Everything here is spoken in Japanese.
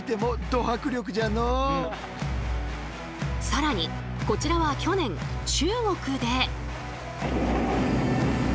更にこちらは去年中国で。